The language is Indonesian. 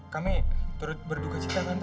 kami terlalu berduka cinta tante